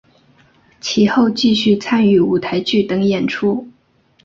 其后继续参与舞台剧等演出。